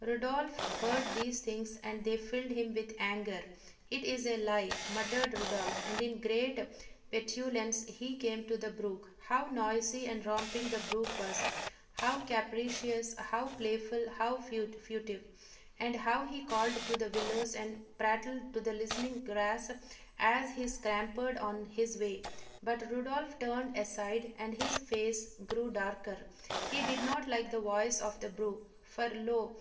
Rodolph heard these things, and they filled him with anger. "It is a lie!" muttered Rodolph; and in great petulance he came to the brook. How noisy and romping the brook was; how capricious, how playful, how furtive! And how he called to the willows and prattled to the listening grass as he scampered on his way. But Rodolph turned aside and his face grew darker. He did not like the voice of the brook; for, lo!